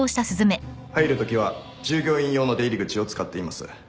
入るときは従業員用の出入り口を使っています。